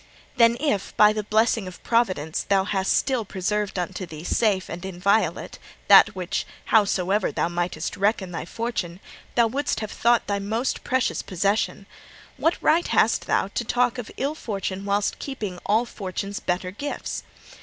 Then if, by the blessing of Providence, thou hast still preserved unto thee safe and inviolate that which, howsoever thou mightest reckon thy fortune, thou wouldst have thought thy most precious possession, what right hast thou to talk of ill fortune whilst keeping all Fortune's better gifts?